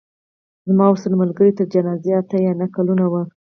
زما ورسره ملګرۍ تر جنازې اته یا نهه کلونه وه.